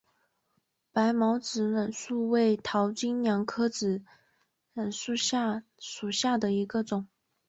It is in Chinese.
白毛子楝树为桃金娘科子楝树属下的一个种。